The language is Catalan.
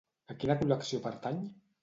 A quina col·lecció pertany?